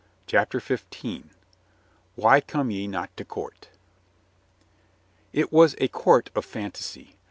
CHAPTER FIFTEEN "why come ye not to court?" , TT was a court of fantasy.